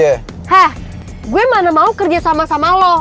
hah gue mana mau kerja sama sama lo